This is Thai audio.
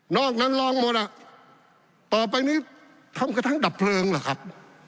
อกนั้นลองหมดอ่ะต่อไปนี้ทำกระทั่งดับเพลิงเหรอครับ